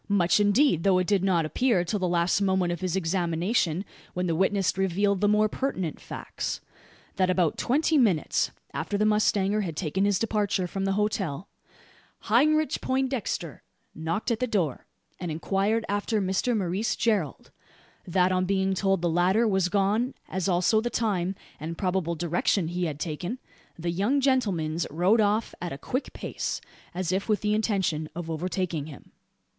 Much indeed; though it did not appear till the last moment of his examination, when the witness revealed the more pertinent facts: that about twenty minutes after the mustanger had taken his departure from the hotel, "Heinrich Poindexter" knocked at the door, and inquired after Mr Maurice Gerald; that on being told the latter was gone, as also the time, and probable direction he had taken, the "young gentlemans" rode off a a quick pace, as if with the intention of overtaking him.